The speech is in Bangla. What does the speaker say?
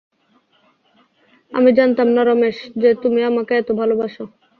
আমি জানতাম না রমেশ, যে তুমি আমাকে এত ভালোবাসো।